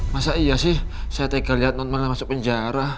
masa iya sih saya tega liat non mel masuk penjara